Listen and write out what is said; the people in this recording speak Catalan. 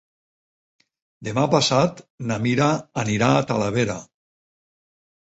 Demà passat na Mira anirà a Talavera.